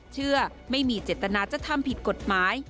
เชื่อไม่มีเจตนาจะทำผิดกฎหมาย